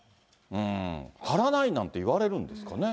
貼らないなんて言われるんですかね。